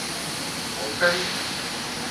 — От кай?